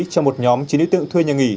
cho một nhóm chính đối tượng thuê nhà nghỉ